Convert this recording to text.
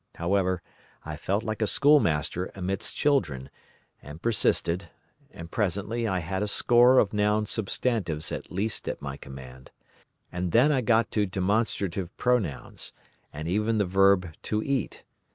However, I felt like a schoolmaster amidst children, and persisted, and presently I had a score of noun substantives at least at my command; and then I got to demonstrative pronouns, and even the verb 'to eat.